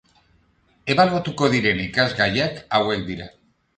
Ebaluatuko diren irakasgaiak hauek dira.